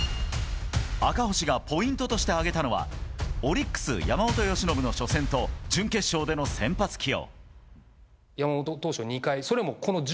赤星がポイントとして挙げたのはオリックス、山本由伸の初戦と準決勝での先発起用。